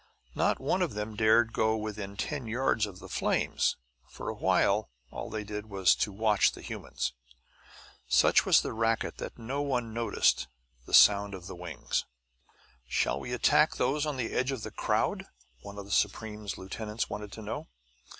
Not one of them dared go within ten yards of the flames; for a while, all they did was to watch the humans. Such was the racket no one noticed the sound of the wings. "Shall we attack those on the edge of the crowd?" one of Supreme's lieutenants wanted to know.